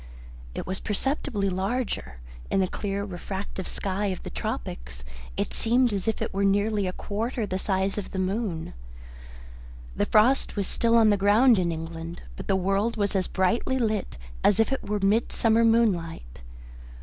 It was perceptibly larger; in the clear refractive sky of the tropics it seemed as if it were nearly a quarter the size of the moon. The frost was still on the ground in England, but the world was as brightly lit as if it were midsummer moonlight.